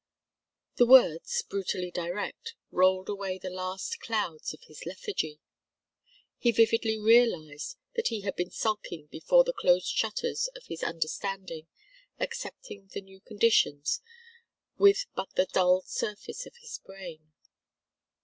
The words, brutally direct, rolled away the last clouds of his lethargy. He vividly realized that he had been skulking before the closed shutters of his understanding, accepting the new conditions with but the dulled surface of his brain.